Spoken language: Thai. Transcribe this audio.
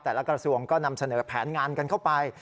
กระทรวงก็นำเสนอแผนงานกันเข้าไป